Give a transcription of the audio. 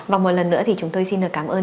và một lần nữa thì chúng tôi xin được cảm ơn